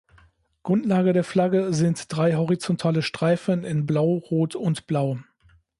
Grundlage der Flagge sind drei horizontale Streifen in Blau, Rot und Blau.